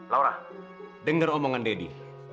laura denger omongan daddy